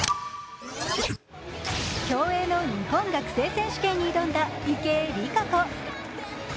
競泳の日本学生選手権に挑んだ池江璃花子。